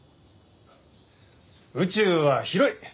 宇宙は広い。